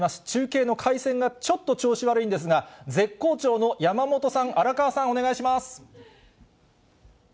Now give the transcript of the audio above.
中継の回線がちょっと調子悪いんですが、絶好調の山本さん、荒川さん、お願いします。